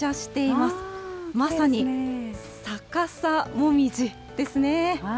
まさに逆さモミジですね。